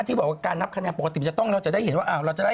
ที่บอกว่าการนับคะแนนปกติเราจะได้เห็นว่า